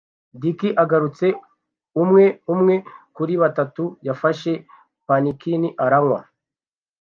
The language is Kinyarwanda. Dick agarutse, umwe umwe kuri batatu yafashe pannikin aranywa -